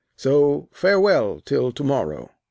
So farewell till to morrow!